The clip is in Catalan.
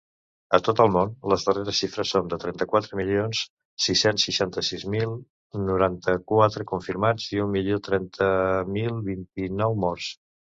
A tot el món, les darreres xifres són de trenta-quatre milions sis-cents seixanta-sis mil cent noranta-quatre confirmats i un milió trenta mil vint-i-nou morts.